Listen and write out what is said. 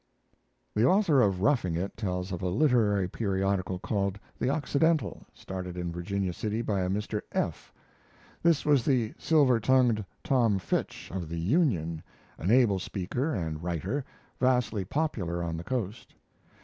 The author of 'Roughing It' tells of a literary periodical called the Occidental, started in Virginia City by a Mr. F. This was the silver tongued Tom Fitch, of the Union, an able speaker and writer, vastly popular on the Coast.